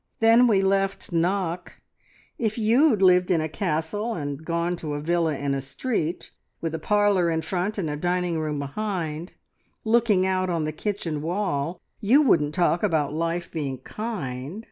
... Then we left Knock. ... If you'd lived in a castle, and gone to a villa in a street, with a parlour in front and a dining room behind looking out on the kitchen wall, you wouldn't talk about life being kind